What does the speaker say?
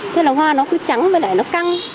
thế là hoa nó cứ trắng với lại nó căng